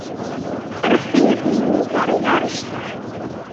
Rixsiyevning yuzlari yorishdi.